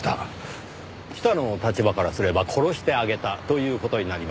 北の立場からすれば殺してあげたという事になります。